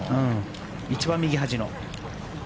一番右端の。